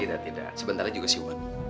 tidak tidak sebentar lagi juga siwan